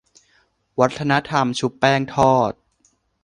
วัฒนธรรมชุบแป้งทอด